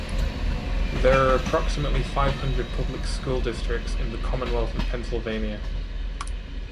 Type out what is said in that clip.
There are approximately five hundred public school districts in the Commonwealth of Pennsylvania.